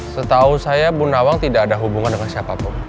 setahu saya bu nawang tidak ada hubungan dengan siapapun